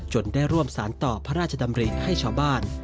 ได้ร่วมสารต่อพระราชดำริให้ชาวบ้าน